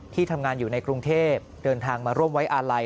ทำงานอยู่ในกรุงเทพเดินทางมาร่วมไว้อาลัย